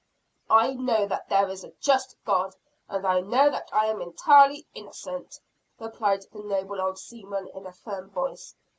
"I know that there is a just God, and I know that I am entirely innocent" replied the noble old seaman in a firm voice.